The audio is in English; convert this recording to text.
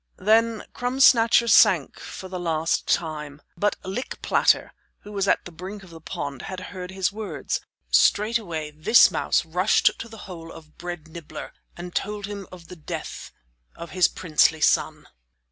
Then Crumb Snatcher sank for the last time. But Lick Platter, who was at the brink of the pond, had heard his words. Straightway this mouse rushed to the hole of Bread Nibbler and told him of the death of his princely son.